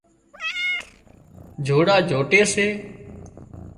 جوڙا جوٽي سي